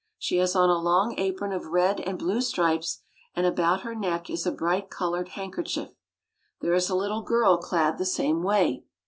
She has on a long apron of red and blue stripes, and about her neck is a bright colored hand kerchief. There is a little girl clad the same way.